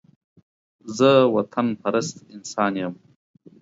زه وطن پرست انسان يم